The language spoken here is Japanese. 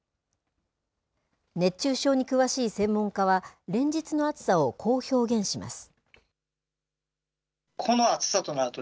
熱中症に詳しい専門家は、連日の暑さをこう表現します。